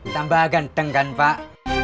tambah ganteng kan pak